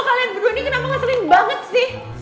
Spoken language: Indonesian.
kalian berdua ini kenapa ngesering banget sih